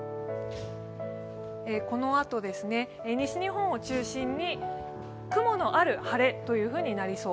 このあと、西日本を中心に雲のある晴れとなりそう。